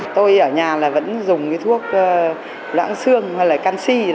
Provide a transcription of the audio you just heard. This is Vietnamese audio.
tôi ở nhà vẫn dùng thuốc loãng xương hay là canxi